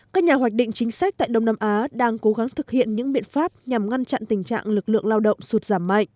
các nhà hoạch định chính sách tại đông nam á đang cố gắng thực hiện những biện pháp nhằm ngăn chặn tình trạng lực lượng lao động sụt giảm mạnh